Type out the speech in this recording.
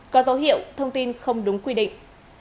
có dấu hiệu thông tin không đúng quy định